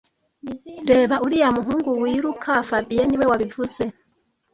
Reba uriya muhungu wiruka fabien niwe wabivuze